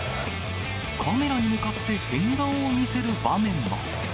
カメラに向かって変顔を見せる場面も。